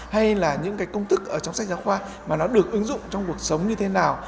hay là những cái công thức ở trong sách giáo khoa mà nó được ứng dụng trong cuộc sống như thế nào